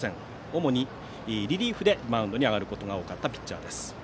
主にリリーフでマウンドに上がることの多かったピッチャーです。